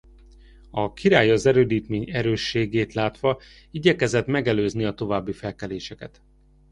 A király az erődítmény erősségét látva igyekezett megelőzni a további felkeléseket.